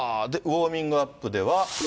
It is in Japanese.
ウォーミングアップでは。